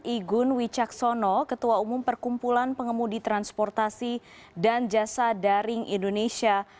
igun wicaksono ketua umum perkumpulan pengemudi transportasi dan jasa daring indonesia